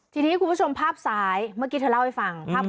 ทีนี้คุณผู้ชมภาพซ้ายเมื่อกี้เธอเล่าให้ฟัง